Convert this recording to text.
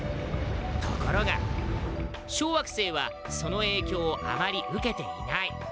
ところが小惑星はそのえいきょうをあまり受けていない。